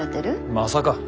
まさか。